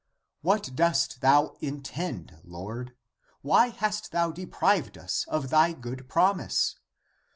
What dost thou intend, Lord? Why hast thou deprived us of thy good promise?